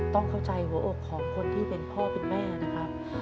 ต้องเข้าใจหัวอกของคนที่เป็นพ่อเป็นแม่นะครับ